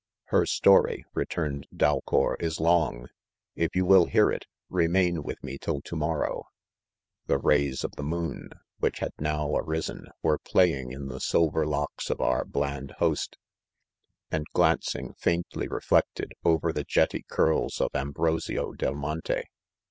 " Her story," returned Dal cour, " is long |— If you will hear it, remain with me till to morrow." ':■ ':^bu^^^^rMt^jm6p& ■ w^wclh hnd aOW aris« en, were playing, in the silver locks of our bland host, and glancing, faintly reflected, over the jetty curls of Ambrosiodel Monte?